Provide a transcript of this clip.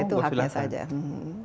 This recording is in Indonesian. ya itu haknya saja